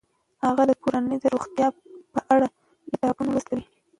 هغه د کورنۍ د روغتیا په اړه د کتابونو لوستل کوي.